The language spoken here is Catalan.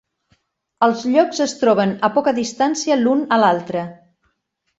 Els llocs es troben a poca distància l'un a l'altre.